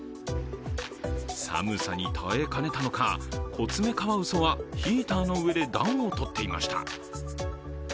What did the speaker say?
寒さに耐えかねたのかコツメカワウソはヒーターの上で暖を取っていました。